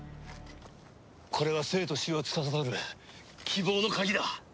これは生と死をつかさどる希望の鍵だ。